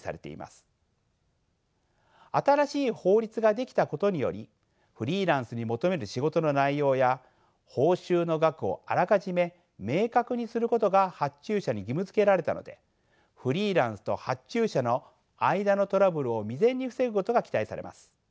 新しい法律が出来たことによりフリーランスに求める仕事の内容や報酬の額をあらかじめ明確にすることが発注者に義務づけられたのでフリーランスと発注者の間のトラブルを未然に防ぐことが期待されます。